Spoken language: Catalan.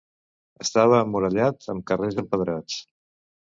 Estava emmurallat amb carrers empedrats.